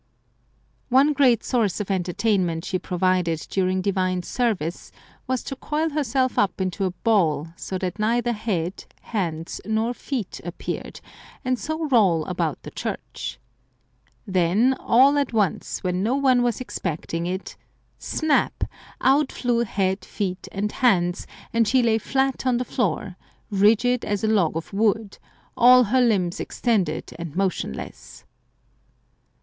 One great source of entertainment she provided during divine service was to coil herself up into a ball, so that neither head, hands, nor feet appeared, and so roll about the church. Then all at once, when no one was expecting it — ^snap ! out flew head, feet, and hands, and she lay flat on the floor, rigid as a log of wood, all her limbs extended and motion less.